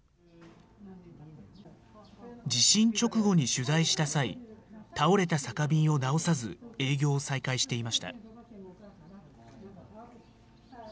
地震直後に取材した際、倒れた酒瓶を直さず営業を再開していました。